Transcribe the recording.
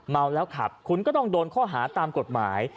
เมาแล้วขับคุณก็ต้องโดนข้อหาตามกฎหมาย